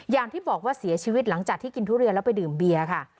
อย่างที่บอกว่าเสียชีวิตหลังจากที่กินทุเรียนแล้วไปดื่มเบียร์ค่ะ